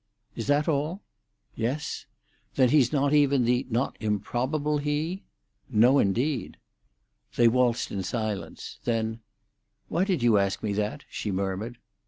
"Is that all?" "Yes." "Then he's not even the not improbable he?" "No, indeed." They waltzed in silence. Then, "Why did you ask me that?" she murmured.